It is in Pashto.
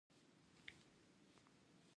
کلدار ولسوالۍ چیرته ده؟